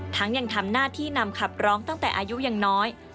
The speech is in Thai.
ยังทำหน้าที่นำขับร้องตั้งแต่อายุยังน้อย